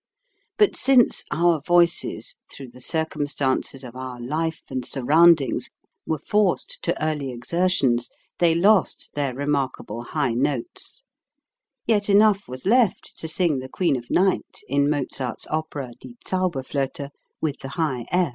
But since our voices, through the circumstances of our life and surroundings, were forced to early exer tions, they lost their remarkable high notes; yet enough was left to sing the Queen of Night (in Mozart's opera "Die Zauberflote ")> with the high